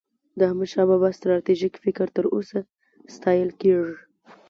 د احمدشاه بابا ستراتیژيک فکر تر اوسه ستایل کېږي.